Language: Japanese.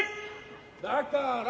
だから！